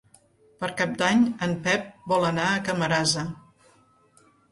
Per Cap d'Any en Pep vol anar a Camarasa.